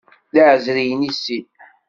D iɛeẓriyen i sin.